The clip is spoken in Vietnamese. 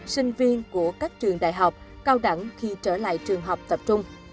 sinh viên của các trường đại học cao đẳng khi trở lại trường học tập trung